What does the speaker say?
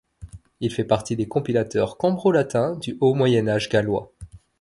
Il fait partie des compilateurs cambro-latins du Haut Moyen Âge gallois.